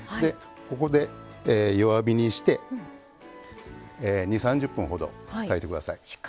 ここで弱火にして２０３０分ほど炊いてください。